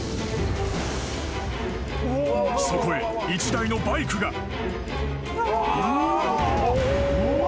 ［そこへ１台のバイクが］